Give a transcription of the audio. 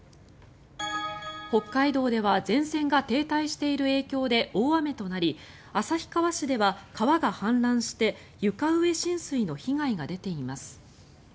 北海道では前線が停滞している影響で大雨となり旭川市では川が氾濫して床上浸水の被害が出ています。